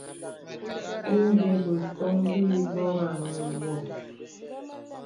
Ìndə̀ bəsōŋ bì bɔranə wɔ.